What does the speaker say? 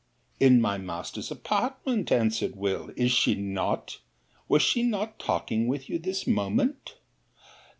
'In my master's apartment, answered Will. Is she not? Was she not talking with you this moment?